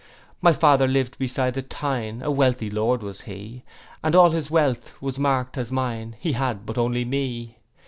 'My father liv'd beside the Tyne, A wealthy Lord was he; And all his wealth was mark'd as mine, He had but only me.